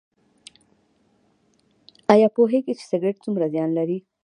ایا پوهیږئ چې سګرټ څومره زیان لري؟